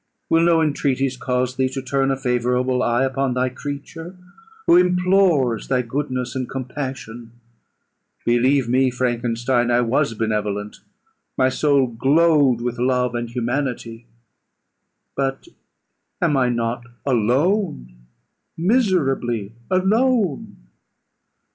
Will no entreaties cause thee to turn a favourable eye upon thy creature, who implores thy goodness and compassion? Believe me, Frankenstein: I was benevolent; my soul glowed with love and humanity: but am I not alone, miserably alone?